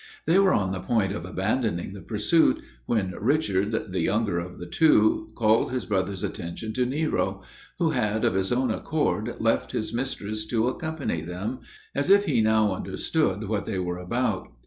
They were on the point of abandoning the pursuit, when Richard, the younger of the two, called his brother's attention to Nero, who had, of his own accord, left his mistress to accompany them, an if he now understood what they were about.